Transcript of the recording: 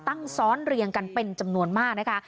ซ้อนเรียงกันเป็นจำนวนมากนะคะ